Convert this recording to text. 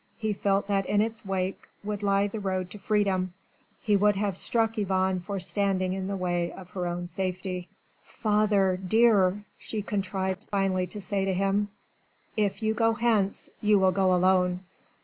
He felt that in its wake would lie the road to freedom. He would have struck Yvonne for standing in the way of her own safety. "Father dear," she contrived finally to say to him, "if you go hence, you will go alone.